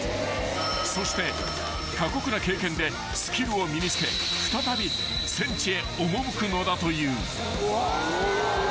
［そして過酷な経験でスキルを身に付け再び戦地へ赴くのだという］